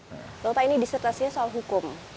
tau tak ini disertasinya soal hukum